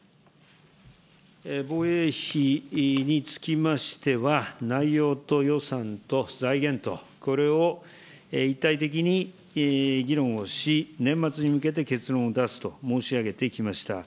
防衛費につきましては、内容と予算と財源とこれを、一体的に議論をし、年末に向けて結論を出すと申し上げてきました。